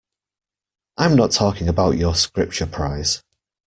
I'm not talking about your Scripture prize.